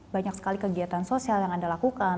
banyak sekali kegiatan sosial yang anda lakukan